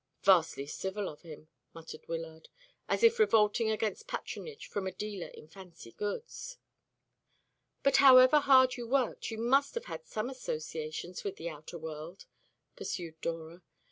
"Vastly civil of him," muttered Wyllard, as if revolting against patronage from a dealer in fancy goods. "But however hard you worked, you must have had some associations with the outer world," pursued Dora.